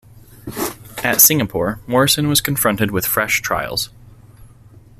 At Singapore, Morrison was confronted with fresh trials.